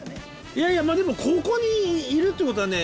いやいやまあでもここにいるってことはね